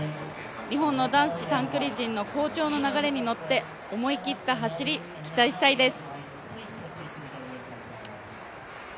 日本の男子短距離陣の好調な流れにのって思い切った走り、期待したいです。